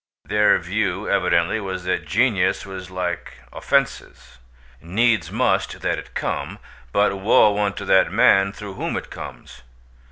Their view evidently was that genius was like offences—needs must that it come, but woe unto that man through whom it comes.